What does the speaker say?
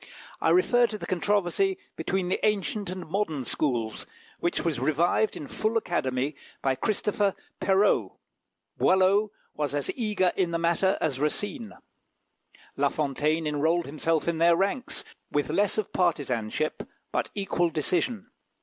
I refer to the controversy between the ancient and modern schools, which was revived in full Academy by Christopher Perrault. Boileau was as eager in the matter as Racine. La Fontaine enrolled himself in their ranks, with less of partisanship, but equal decision.